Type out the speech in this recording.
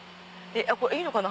いいのかな？